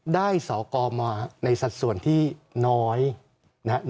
สอกรมาในสัดส่วนที่น้อยนะครับ